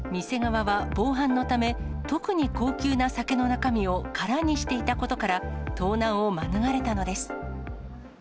店側は、防犯のため、特に高級な酒の中身を空にしていたことから、盗難を免れたのです。